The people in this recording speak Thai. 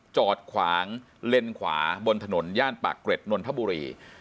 จอดขวางเลนขวาบนถนนย่านปากเกร็ดนนทบุรี